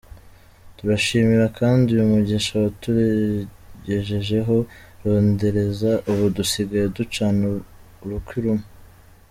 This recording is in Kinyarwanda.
Turashimira kandi uyu mushinga watugejejeho rondereza ubu dusigaye ducana urukwi rumwe.